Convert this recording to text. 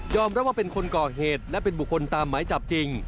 รับว่าเป็นคนก่อเหตุและเป็นบุคคลตามหมายจับจริง